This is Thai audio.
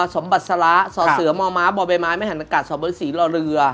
สมบัติศาละส่อเสือมมบบมมศสบศรีรเรือ